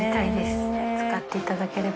使っていただければ。